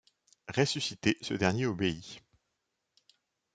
Ressuscité, ce dernier obéit.